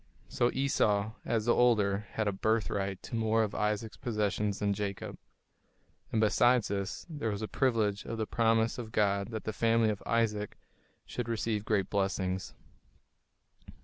So Esau, as the older, had a "birthright" to more of Isaac's possessions than Jacob. And besides this, there was the privilege of the promise of God that the family of Isaac should receive great blessings.